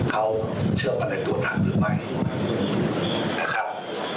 เขาเชื่อมั่นในตัวท่านหรือไม่นะครับ